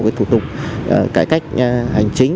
cái thủ tục cải cách hành chính